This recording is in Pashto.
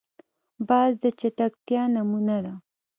باز د چټکتیا نمونه ده